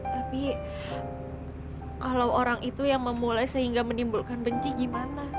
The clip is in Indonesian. tapi kalau orang itu yang memulai sehingga menimbulkan benci gimana